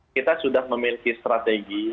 kita sudah memiliki strategi